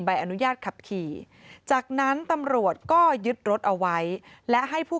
ใบอนุญาตขับขี่จากนั้นตำรวจก็ยึดรถเอาไว้และให้ผู้